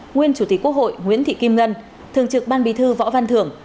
nguyên chủ tịch quốc hội nguyễn thị kim ngân thường trực ban bí thư võ văn thưởng